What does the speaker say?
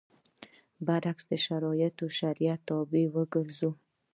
برعکس شرایط شریعت تابع وګرځوو.